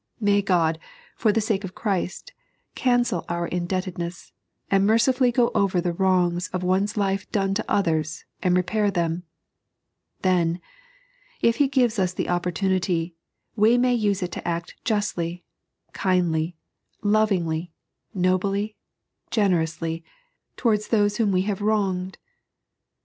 May God, for the sake of Christ, cancel our indebted ness, and mercifully go over the wrongs of one's life done to others and repair them ! Then, if He gives us the opportunity, may we use it to act justly, kindly, lovingly, nobly, generously, towards those whom we have wronged